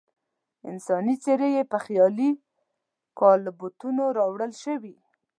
انساني څېرې پر خالي کالبوتونو واړول شوې.